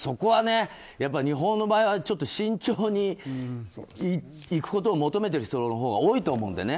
日本の場合は慎重にいくことを求めてる人のほうが多いと思うのでね。